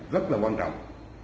rất là quan trọng